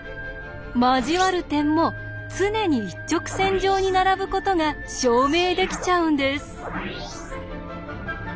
交わる点も常に一直線上に並ぶことが証明できちゃうんです。